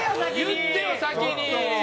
言ってよ先に！